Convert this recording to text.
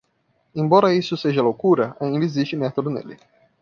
Embora isso seja loucura? ainda existe método nele